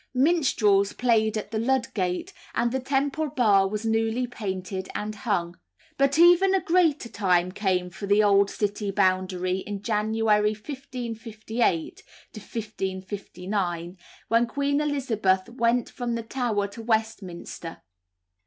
Minstrels played at Ludgate, and the Temple Bar was newly painted and hung. But even a greater time came for the old City boundary in January 1558 9, when Queen Elizabeth went from the Tower to Westminster.